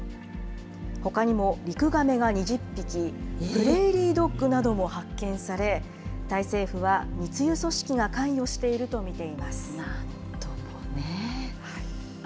ほかにもリクガメが２０匹、プレーリードッグなども発見され、タイ政府は密輸組織が関与していると見ています。